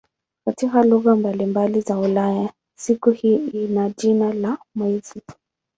Katika lugha mbalimbali za Ulaya siku hii ina jina la "mwezi".